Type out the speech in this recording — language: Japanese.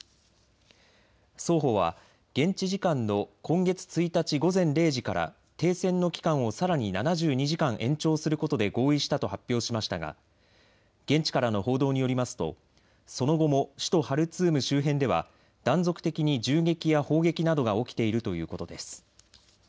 双方は現地時間の今月１日午前０時から停戦の期間をさらに７２時間延長することで合意したと発表しましたが現地からの報道によりますとその後も首都ハルツーム周辺では断続的に銃撃や砲撃などが起きているということです。